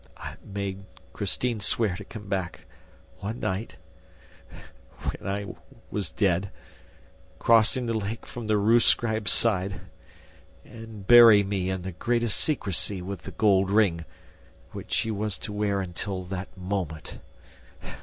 I made Christine swear to come back, one night, when I was dead, crossing the lake from the Rue Scribe side, and bury me in the greatest secrecy with the gold ring, which she was to wear until that moment.